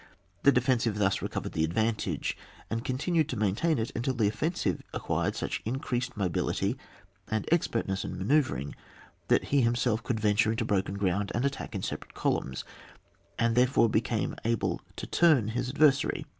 The defensive thus recovered the advantage, and con tinued to maintain it until the offensive acquired such increased mobility and ex pertness in manoeuvring that he him self could venture into broken g^und and attack in separate columns, and therefore became able to turn his adver sary.